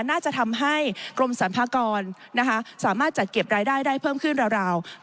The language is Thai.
น่าจะทำให้กรมสรรพากรสามารถจัดเก็บรายได้ได้เพิ่มขึ้นราว